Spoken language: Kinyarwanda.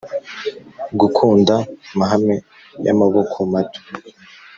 gukunda mahame y'amaboko mato.